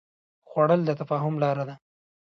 خوړل د تفاهم لاره ده